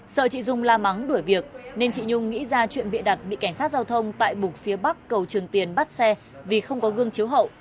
sợ chị dung la mắng đuổi việc nên chị nhung nghĩ ra chuyện bịa đặt bị cảnh sát giao thông tại bục phía bắc cầu trường tiền bắt xe vì không có gương chiếu hậu